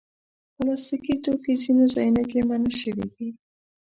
پلاستيکي توکي ځینو ځایونو کې منع شوي دي.